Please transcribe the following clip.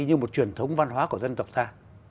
như một truyền thống văn hóa của dân tộc ta